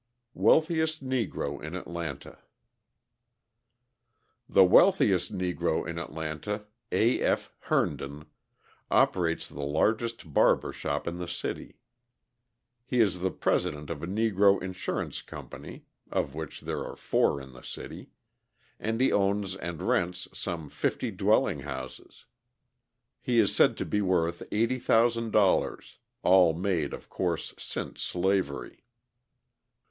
Wealthiest Negro in Atlanta The wealthiest Negro in Atlanta, A. F. Herndon, operates the largest barber shop in the city; he is the president of a Negro insurance company (of which there are four in the city) and he owns and rents some fifty dwelling houses. He is said to be worth $80,000, all made, of course, since slavery.